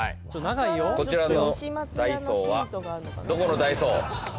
こちらのダイソーはどこのダイソー？